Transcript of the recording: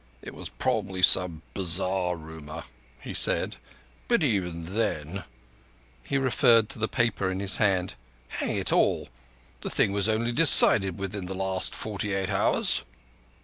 "It was probably some bazar rumour." he said; "but even then—" He referred to the paper in his hand. "Hang it all, the thing was only decided within the last forty eight hours."